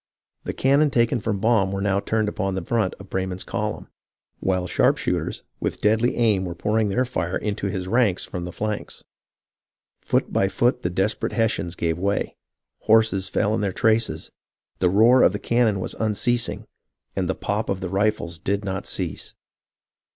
The cannon taken from Baum were now turned upon the front of Breyman's column, while sharp shooters with deadly aim were pouring their fire into his ranks from the flanks. Foot by foot the desperate Hessians gave way. Horses fell in their traces, the roar of the cannon was unceasing, and the pop of the rifles did not cease.